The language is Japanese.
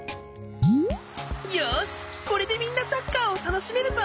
よしこれでみんなサッカーをたのしめるぞ。